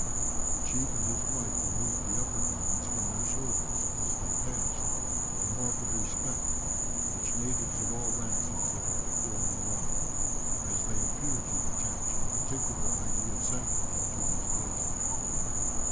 The chief and his wife removed the upper garments from their shoulders as they passed, a mark of respect which natives of all ranks exhibit before a 'morai,' as they appear to attach a particular idea of sanctity to these places."